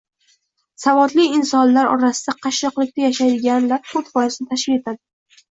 Savodli insonlar orasida qashshoqlikda yashaydiganlar to'rt foizni tashkil etadi.